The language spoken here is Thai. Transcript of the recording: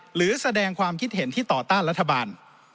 หรือแสดงความคิดเห็นที่ต่อต้านรัฐบาล